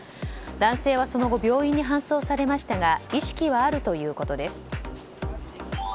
男性はその後病院に搬送されましたが意識はあるということです。